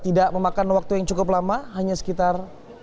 tidak memakan waktu yang cukup lama hanya sekitar